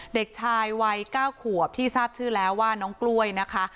เด็กชายวัย๙ขวบที่ทราบชื่อแล้วว่าน้องกล้วยนะคะ